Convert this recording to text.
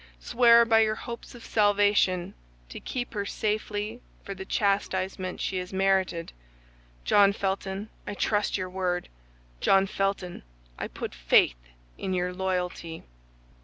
Swear, by your hopes of salvation, to keep her safely for the chastisement she has merited. John Felton, I trust your word! John Felton, I put faith in your loyalty!"